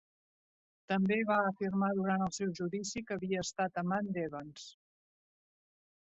També va afirmar durant el seu judici que havia estat amant d'Evans.